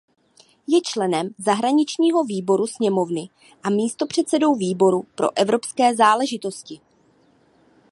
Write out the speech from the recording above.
Je členem zahraničního výboru sněmovny a místopředsedou výboru pro evropské záležitosti.